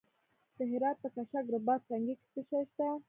د هرات په کشک رباط سنګي کې څه شی شته؟